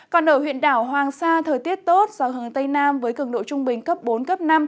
còn ở huyện đảo hoàng sa thời tiết tốt gió hướng tây nam với cường độ trung bình cấp bốn cấp năm